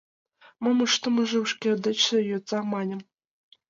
— Мом ыштымыжым шке дечше йодса! — маньым.